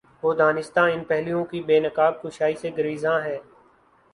وہ دانستہ ان پہلوئوں کی نقاب کشائی سے گریزاں ہے۔